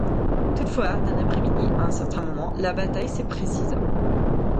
Toutefois, dans l'après-midi, à un certain moment, la bataille se précisa.